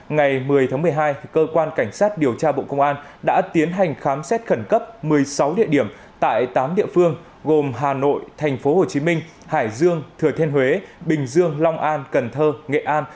ngày một mươi tháng một mươi hai cơ quan cảnh sát điều tra bộ công an đã tiến hành khám xét khẩn cấp một mươi sáu địa điểm tại tám địa phương gồm hà nội tp hcm hải dương thừa thiên huế bình dương long an cần thơ nghệ an